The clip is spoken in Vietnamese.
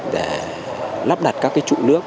để lắp đặt các trụ nước